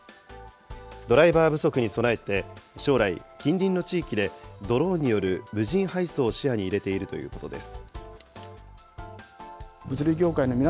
ドライバー不足に備えて、将来、近隣の地域でドローンによる無人配送を視野に入れているということです。